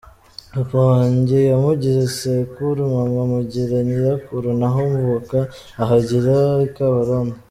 Papa wanjye yamugize sekuru, Mama amugira Nyirakuru naho mvuka ahagira i Kabarondo.